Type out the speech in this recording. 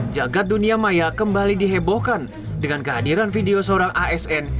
jagad dunia maya kembali dihebohkan dengan kehadiran video seorang asn